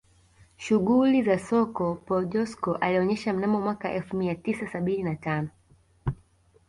Shughuli za soko Paul Joskow alionyesha mnamo mwaka elfu mia tisa sabini na tano